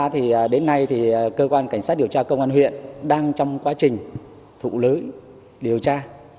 thì đến nay thì cơ quan cảnh sát điều tra công an huyện đang trong quá trình thụ lưới điều tra